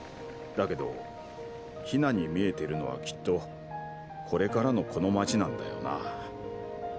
だけど陽菜に見えてるのはきっとこれからのこの街なんだよな。